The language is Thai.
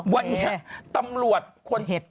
เว่นเนี่ยตำรวจควรเห็น